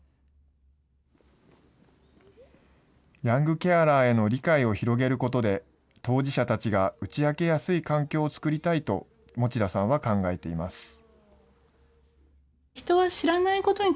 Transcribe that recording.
ヤングケアラーへの理解を広げることで、当事者たちが打ち明けやすい環境を作りたいと、持田さんは考えています。